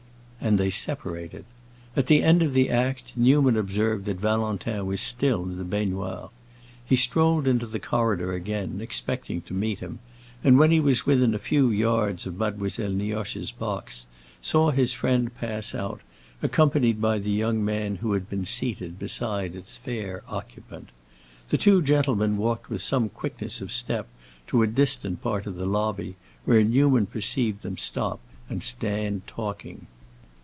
And they separated. At the end of the act Newman observed that Valentin was still in the baignoire. He strolled into the corridor again, expecting to meet him, and when he was within a few yards of Mademoiselle Nioche's box saw his friend pass out, accompanied by the young man who had been seated beside its fair occupant. The two gentlemen walked with some quickness of step to a distant part of the lobby, where Newman perceived them stop and stand talking.